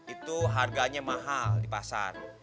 itu harganya mahal di pasar